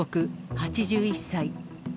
８１歳。